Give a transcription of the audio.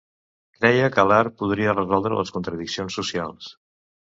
Creia que l'art podria resoldre les contradiccions socials.